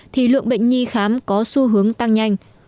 thì lượng bệnh nhi khám có xu hướng tăng nhanh